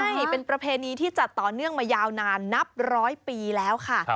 ใช่เป็นประเพณีที่จัดต่อเนื่องมายาวนานนับร้อยปีแล้วค่ะ